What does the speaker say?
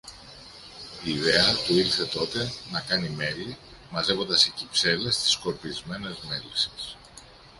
Η ιδέα του ήλθε τότε να κάνει μέλι, μαζεύοντας σε κυψέλες τις σκορπισμένες μέλισσες.